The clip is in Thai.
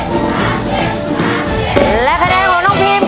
๔๗คะแดงครับ